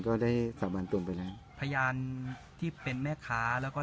ได้สาบานตัวไปแล้วพยานที่เป็นแม่ค้าแล้วก็